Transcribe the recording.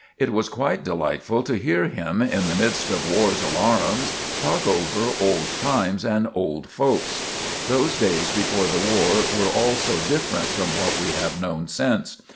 It was quite delightful to hear him, "in the midst of war's alarums," talk over "old times" and old folks. Those days before the war were all so different from what we have known since.